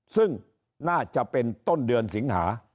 ซึ่งน่าจะเป็นต้นเดือนสิงหา